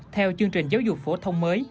theo chương trình giáo dục phổ thông mới